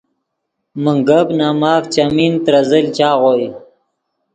من گپ نے ماف چیمین ترے زل چاغوئے